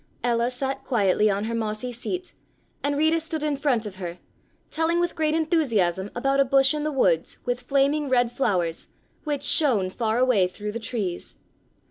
Ella sat quietly on her mossy seat, and Rita stood in front of her, telling with great enthusiasm about a bush in the woods, with flaming red flowers, which shone far away through the trees.